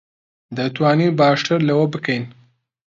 دەتوانین باشتر لەوە بکەین.